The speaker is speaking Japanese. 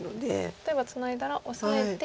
例えばツナいだらオサえて。